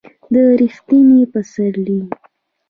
د ر یښتني پسرلي